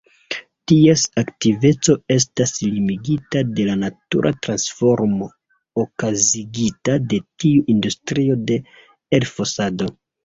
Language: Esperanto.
Ties aktiveco estas limigita de la natura transformo okazigita de tiu industrio de elfosado.